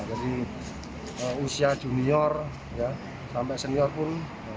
jadi usia junior sampai senior pun